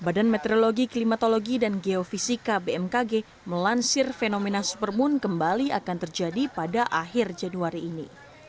badan meteorologi klimatologi dan geofisika bmkg melansir fenomena supermoon kembali akan terjadi pada akhir januari ini